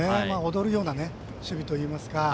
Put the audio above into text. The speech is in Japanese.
踊るような守備といいますか。